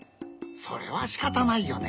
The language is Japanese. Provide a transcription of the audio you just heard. それはしかたないよね。